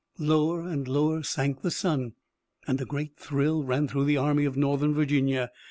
Lower and lower sank the sun, and a great thrill ran through the Army of Northern Virginia.